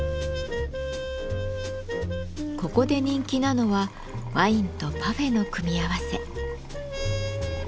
ここで人気なのはワインとパフェの組み合わせ。